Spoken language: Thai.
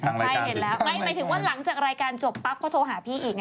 ใช่เห็นแล้วหมายถึงว่าหลังจากรายการจบปั๊บเขาโทรหาพี่อีก